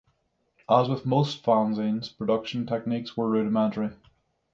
As with most fanzines, production techniques were rudimentary.